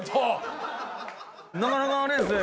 なかなかあれですね。